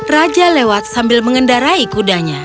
raja lewat sambil mengendarai kudanya